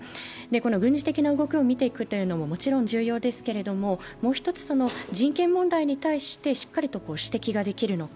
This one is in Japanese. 軍事的な動きを見ていくのももちろん重要ですけれども、もう一つ人権問題に対してしっかりと指摘ができるのか。